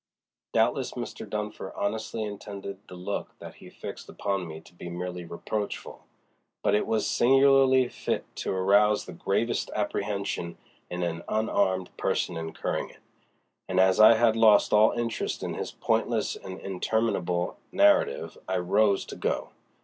Doubtless Mr. Dunfer honestly intended the look that he fixed upon me to be merely reproachful, but it was singularly fit to arouse the gravest apprehension in any unarmed person incurring it; and as I had lost all interest in his pointless and interminable narrative, I rose to go.